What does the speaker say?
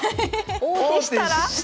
王手したら。